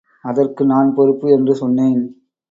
அதற்கு நான் பொறுப்பு என்று சொன்னேன்.